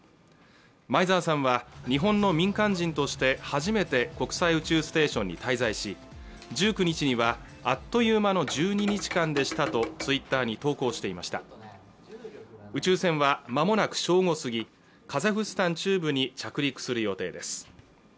前澤さんは日本の民間人として初めて国際宇宙ステーションに滞在し１９日にはあっという間の１２日間でしたとツイッターに投稿していました宇宙船はまもなく正午過ぎカザフスタン中部に着陸する予定です